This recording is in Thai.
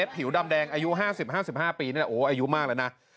ผิวดำแดงอายุ๕๐๕๕ปีนี่แหละโอ้อายุมากแล้วนะ